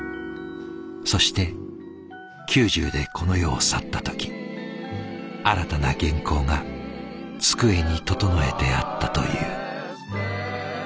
そして９０でこの世を去った時新たな原稿が机に整えてあったという。